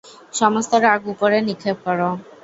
সমস্ত রাগ উপরে নিক্ষেপ কর।